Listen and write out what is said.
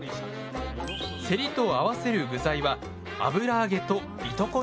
せりと合わせる具材は油揚げと糸